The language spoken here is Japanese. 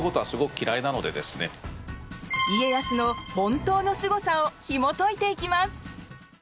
家康の本当のすごさをひもといていきます。